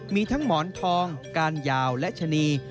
มีทั้งหมอนทองการยาวและชะนี